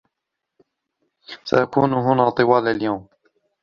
سأكون هنا طوال اليوم